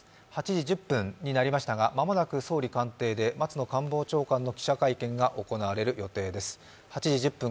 ８時１０分になりましたが、間もなく総理官邸で松野官房長官の記者会見が行われる予定です。